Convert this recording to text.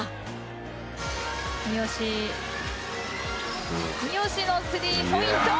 三好三好のスリーポイント！